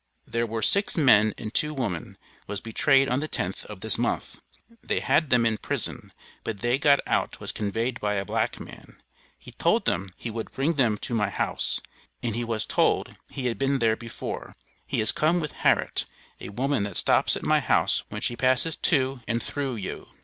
Thir wir six men and two woman was betraid on the tenth of this month, thea had them in prison but thea got out was conveyed by a black man, he told them he wood bring them to my hows, as he wos told, he had ben ther Befor, he has com with Harrett, a woman that stops at my hous when she pases tow and throw yau.